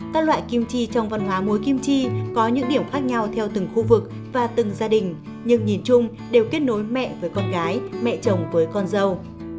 các loại kim chi trong văn hóa muối kim chi có những điểm khác nhau theo từng khu vực và từng gia đình nhưng nhìn chung đều kết nối mẹ với con gái mẹ chồng với con dâu